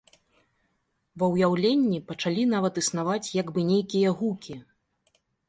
Ва ўяўленні пачалі нават існаваць як бы нейкія гукі.